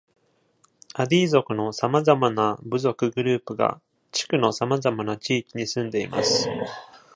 アディ族のさまざまな部族グループが地区のさまざまな地域に住んでいます。